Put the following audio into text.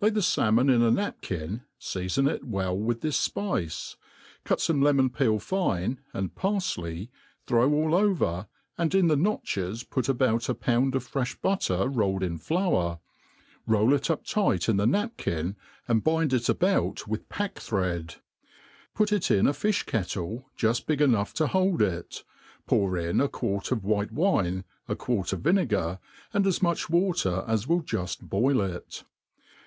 Lay the falmoa in a napkin, feafon it well with this fpice, cut fome lemon peel fine, aifd parfley, throw all ever, and in the notches put about a pound of frefh butter rolled in Hour, roll it up tight in' the napkin, , and bind it about with packthread; Put it in a fifh kettle, juft big enough to hold it, pour in a quart of white ' wine, a quart of vinegar, and a« niuch water as will jufl boil it.